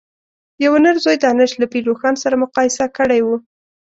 یوه نر ځوی دانش له پير روښان سره مقايسه کړی و.